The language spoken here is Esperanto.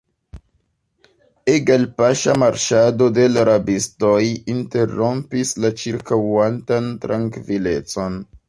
Egalpaŝa marŝado de l' rabistoj interrompis la ĉirkaŭantan trankvilecon.